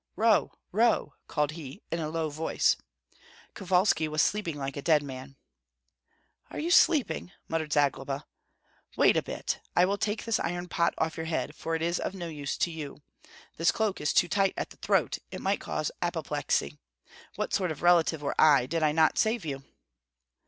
"Roh! Roh!" called he, in a low voice. Kovalski was sleeping like a dead man. "Are you sleeping?" muttered Zagloba. "Wait a bit I will take this iron pot off your head, for it is of no use to you. This cloak is too tight at the throat; it might cause apoplexy. What sort of relative were I, did I not save you?"